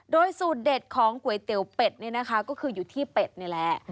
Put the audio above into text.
โดยสูตรเด็ดของก๋วยเตี๋ยวเป็ดนี่นะคะก็คืออยู่ที่เป็ดนี่แหละ